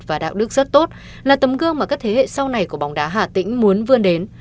và đạo đức rất tốt là tấm gương mà các thế hệ sau này của bóng đá hà tĩnh muốn vươn đến